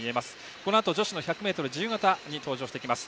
このあと女子の１００ｍ自由形に登場してきます。